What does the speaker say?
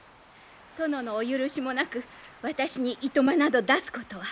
殿のお許しもなく私にいとまなど出すことは。